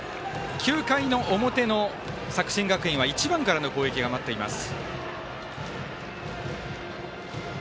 ９回の表の作新学院は１番からの攻撃が待っています。